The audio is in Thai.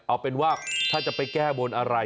เอาเป็นว่าถ้าจะไปแก้บนอะไร